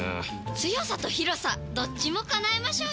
強さと広さどっちも叶えましょうよ！